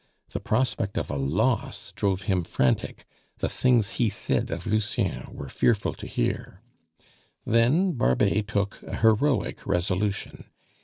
The prospect of a loss drove him frantic; the things he said of Lucien were fearful to hear. Then Barbet took a heroic resolution.